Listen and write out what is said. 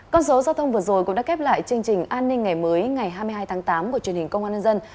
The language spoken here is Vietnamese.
con số giao thông vừa rồi cũng đã khép lại chương trình an ninh ngày mới ngày hai mươi hai tháng tám của truyền hình công an nhân dân